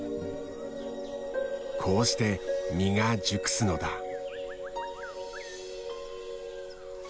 こうして実が熟すのだ。